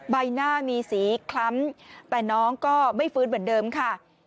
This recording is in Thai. ใบหน้ามีสีคล้ำแต่น้องก็ไม่ฟื้นเหมือนเดิมค่ะ